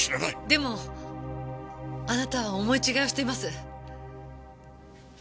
でもあなたは思い違いをしてます。